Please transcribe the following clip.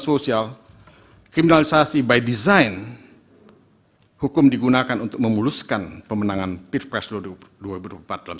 sosial kriminalisasi by design hukum digunakan untuk memuluskan pemenangan pilpres dua ribu dua puluh empat dalam